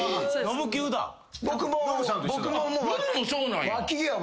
ノブもそうなんや。